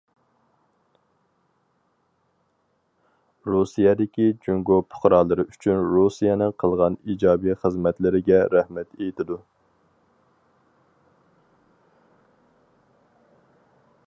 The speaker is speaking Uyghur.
رۇسىيەدىكى جۇڭگو پۇقرالىرى ئۈچۈن رۇسىيەنىڭ قىلغان ئىجابىي خىزمەتلىرىگە رەھمەت ئېيتىدۇ.